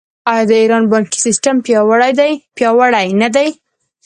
آیا د ایران بانکي سیستم پیاوړی نه دی؟